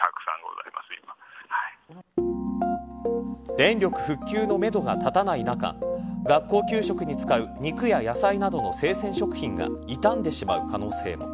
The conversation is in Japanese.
電力復旧のめどが立たない中学校給食に使う肉や野菜などの生鮮食品が傷んでしまう可能性も。